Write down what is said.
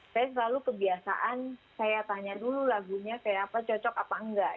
saya selalu kebiasaan saya tanya dulu lagunya kayak apa cocok apa enggak